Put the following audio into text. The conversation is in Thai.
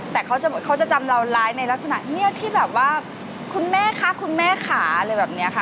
แต่เขาจะจำเราร้ายในลักษณะเงียบที่แบบว่าคุณแม่คะคุณแม่ขาอะไรแบบนี้ค่ะ